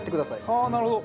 ああなるほど。